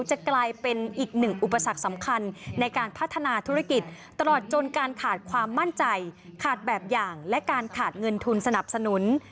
จะกลายเป็นอีกหนึ่งอุปสรรคสำคัญในการพัฒนาธุรกิจตลอดจนการขาดความมั่นใจขาดแบบอย่างและการขาดเงินทุนสนับสนุน